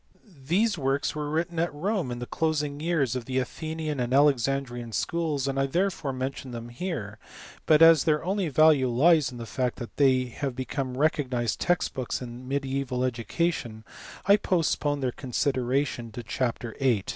These works were written at Rome in the closing years of the Athenian and Alexandrian schools and I therefore mention them here, but as their only value lies in the fact that they became recognized text books in mediaeval education I postpone their consideration to chapter vin.